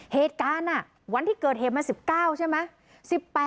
เหตุการณ์วันที่เกิดเหตุมัน๑๙ใช่ไหม